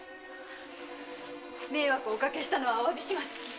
迷惑をおかけしたのはお詫びします！